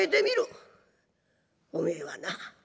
おめえはな